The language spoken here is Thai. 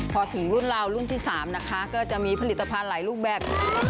พอถึงรุ่นราวรุ่นที่๓นะคะก็จะมีผลิตภัณฑ์หลายรูปแบบ